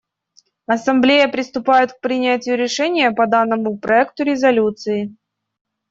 Ассамблея приступает к принятию решения по данному проекту резолюции.